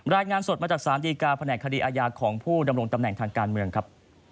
รายงานสดมาจากสารดีการแผนกคดีอาญาของผู้ดำรงตำแหน่งทางการเมืองครับ